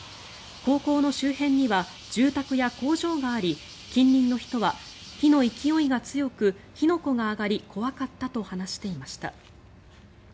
高校の周辺には住宅や工場があり近隣の人は、火の勢いが強く火の粉が上がり怖かったと話していました。